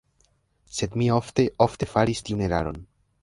Sed mi ofte, ofte faris tiun eraron.